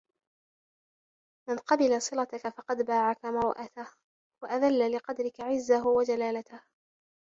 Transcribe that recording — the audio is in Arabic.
مَنْ قَبِلَ صِلَتَك فَقَدْ بَاعَك مُرُوءَتَهُ وَأَذَلَّ لِقَدْرِك عِزَّهُ وَجَلَالَتَهُ